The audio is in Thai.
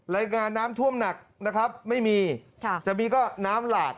รายงานน้ำท่วมหนักนะครับไม่มีค่ะจะมีก็น้ำหลาก